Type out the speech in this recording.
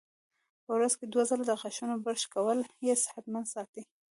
په ورځ کې دوه ځله د غاښونو برش کول یې صحتمند ساتي.